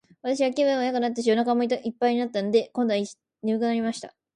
私は気分もよくなったし、お腹も一ぱいだったので、今度は睡くなりました。